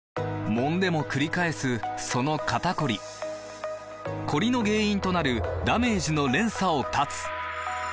もんでもくり返すその肩こりコリの原因となるダメージの連鎖を断つ！